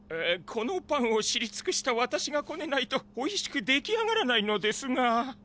このパンを知りつくしたわたしがこねないとおいしく出来上がらないのですが。